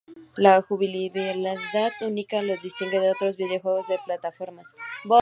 La jugabilidad única lo distingue de otros videojuegos de plataformas.